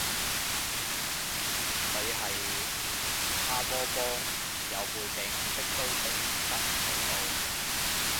佢係蛤蟆幫，有背景，逼都逼唔得佢到